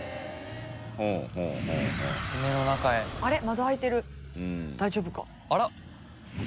窓開いてる大丈夫か？